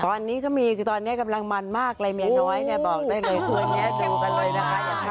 ตอนนี้ก็มีคือตอนนี้กำลังมันมากเลยเมียน้อยเนี่ยบอกได้เลยคืนนี้ดูกันเลยนะคะ